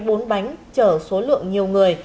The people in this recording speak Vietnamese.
bốn bánh chở số lượng nhiều người